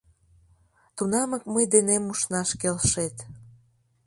Тунамак мый денем ушнаш келшет.